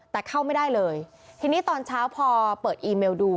แต่เข้าไม่ได้เลยทีนี้ตอนเช้าพอเปิดอีเมลดู